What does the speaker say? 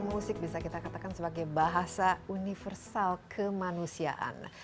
musik bisa kita katakan sebagai bahasa universal kemanusiaan